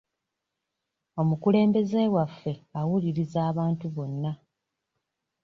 Omukulembeze waffe awuliriza abantu bonna.